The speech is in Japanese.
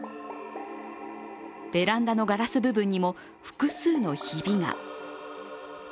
ベランダのガラス部分にも複数のひびが。